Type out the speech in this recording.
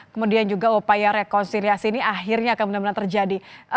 kemudian juga upaya rekonsiliasi ini akhirnya akan benar benar terjadi